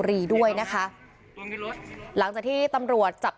สวัสดีครับ